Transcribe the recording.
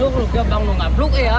xuống bao nhiêu xeo rồi